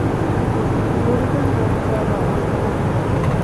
ޓޫރިޒަމް ޒޯނުގައިވާ ރުއްގަހާ ގުޅޭ